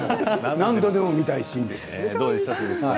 何度でも見たいシーンです。